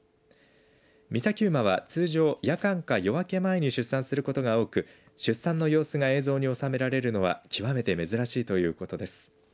岬馬は通常、夜間か夜明け前に出産することが多く出産の様子が映像に収められるのは極めて珍しいということです。